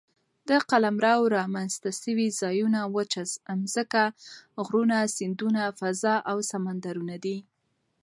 د قلمرو رامنځ ته سوي ځایونه وچه مځکه، غرونه، سیندونه، فضاء او سمندرونه دي.